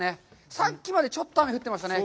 さっきまでちょっと雨が降ってましたね。